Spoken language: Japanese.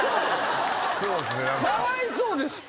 かわいそうですって。